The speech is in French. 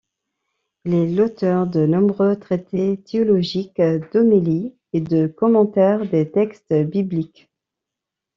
Il est l'auteur de nombreux traités théologiques, d'homélies et de commentaires des textes bibliques.